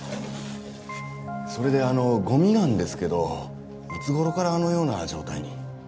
それであのゴミなんですけどいつ頃からあのような状態に？